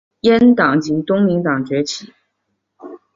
阉党及东林党崛起。